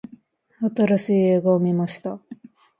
新しい映画を観ました。